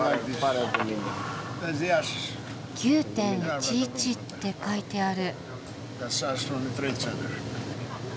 「９・１１」って書いてある。